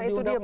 nah itu dia